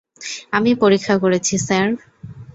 আমি পরীক্ষা করেছি, স্যার।